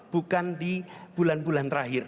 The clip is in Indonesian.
bukan di bulan bulan terakhir